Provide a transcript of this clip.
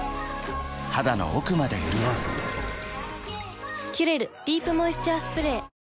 肌の奥まで潤う「キュレルディープモイスチャースプレー」